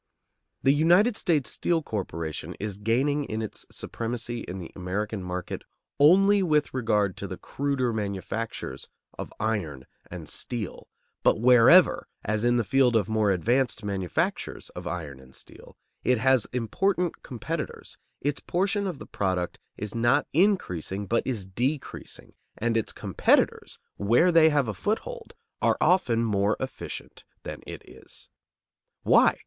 The United States Steel Corporation is gaining in its supremacy in the American market only with regard to the cruder manufactures of iron and steel, but wherever, as in the field of more advanced manufactures of iron and steel, it has important competitors, its portion of the product is not increasing, but is decreasing, and its competitors, where they have a foothold, are often more efficient than it is. Why?